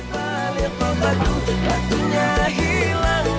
kalau nggak mau beli pulsa kenapa mampir